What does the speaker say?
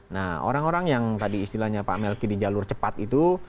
nah orang orang yang tadi istilahnya pak melki di jalur cepat itu